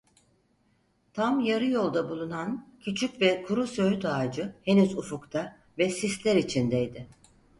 Tam yarı yolda bulunan küçük ve kuru söğüt ağacı henüz ufukta ve sisler içindeydi.